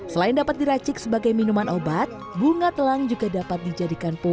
selain dapat diracik sebagai minuman obat bunga telang juga dapat dijadikan populer